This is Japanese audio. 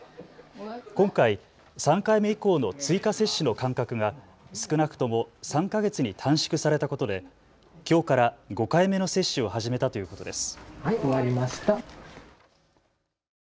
今回、３回目以降の追加接種の間隔が少なくとも３か月に短縮されたことできょうから５回目の接種を始めたということです。